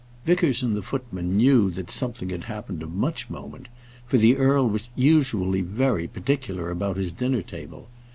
Vickers and the footman knew that something had happened of much moment, for the earl was usually very particular about his dinner table.